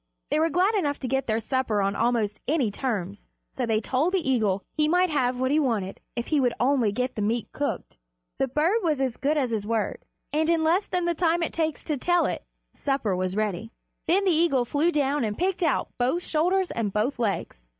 They were glad enough to get their supper on almost any terms, so they told the eagle he might have what he wanted if he would only get the meat cooked. The bird was as good as his word, and in less time than it takes to tell it supper was ready. Then the eagle flew down and picked out both shoulders and both legs.